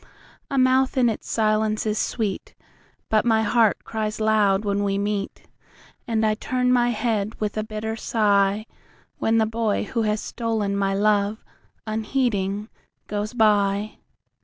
A mouth in its silence is sweetBut my heart cries loud when we meet, And I turn my head with a bitter sighWhen the boy who has stolen my love, unheeding, goes by.